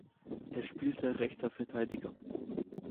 Er spielte rechter Verteidiger.